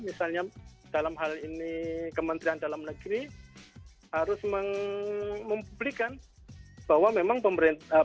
misalnya dalam hal ini kementerian dalam negeri harus mempublikkan bahwa memang fpi sudah memenuhi perusahaan